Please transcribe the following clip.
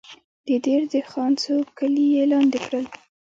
د دیر د خان څو کلي یې لاندې کړل.